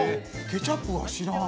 ケチャップは知らん。